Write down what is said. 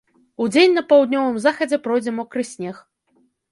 Удзень на паўднёвым захадзе пройдзе мокры снег.